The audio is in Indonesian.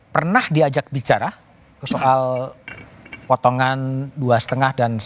pernah diajak bicara soal potongan dua lima dan sepuluh